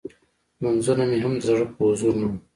لمونځونه مې هم د زړه په حضور نه وو.